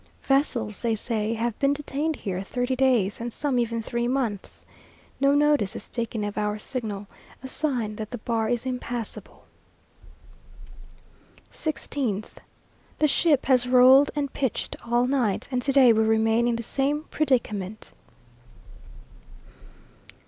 Vessels, they say, have been detained here thirty days, and some even three months! No notice is taken of our signal a sign that the bar is impassable. 16th. The ship has rolled and pitched all night, and to day we remain in the same predicament.